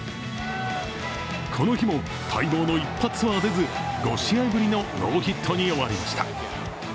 この日も待望の一発は出ず５試合ぶりのノーヒットに終わりました。